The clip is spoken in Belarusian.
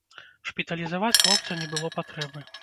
Шпіталізаваць хлопца не было патрэбы.